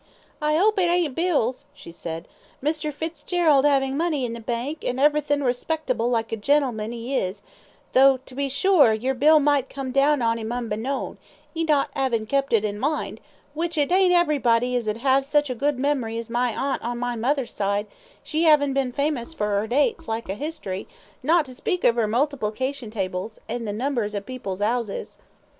"I 'ope it ain't bills," she said. "Mr. Fitzgerald 'avin' money in the bank, and everythin' respectable like a gentleman as 'e is, tho', to be sure, your bill might come down on him unbeknown, 'e not 'avin' kept it in mind, which it ain't everybody as 'ave sich a good memory as my aunt on my mother's side, she 'avin' been famous for 'er dates like a 'istory, not to speak of 'er multiplication tables, and the numbers of people's 'ouses."